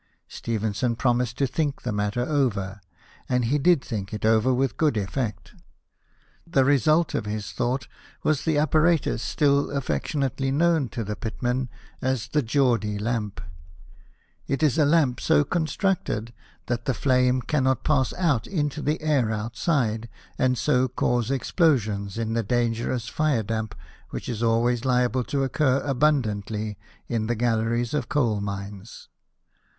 Stephenson promised to think the matter over ; and he did think it over with good effect. The result of his thought was the apparatus still affectionately known to the pit men as "the Geordie lamp." It is a lamp so constructed that the flame cannot pass out into the air outside, and so cause explosions in the dangerous fire damp which is always liable to occur abundantly in the galleries of coal mines.